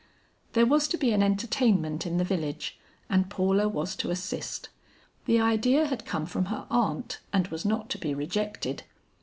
There was to be an entertainment in the village and Paula was to assist. The idea had come from her aunt and was not to be rejected.